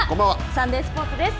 サンデースポーツです。